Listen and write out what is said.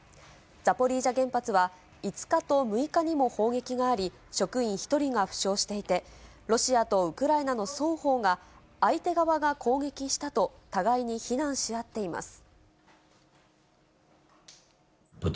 ザポリージャ原発は、５日と６日にも砲撃があり、職員１人が負傷していて、ロシアとウクライナの双方が、相手側が攻撃したと互いに非難し合っています。